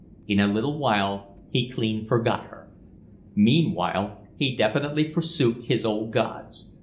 In a little while he clean forgot her. Meanwhile he definitely forsook his old gods.